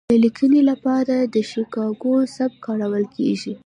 د لیکنې لپاره د شیکاګو سبک کارول کیږي.